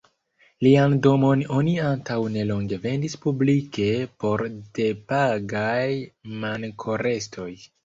Lian domon oni antaŭ nelonge vendis publike por depagaj mankorestoj.